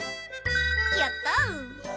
やった。